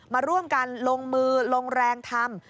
มาร่วมกันลงมือลงแรงทำ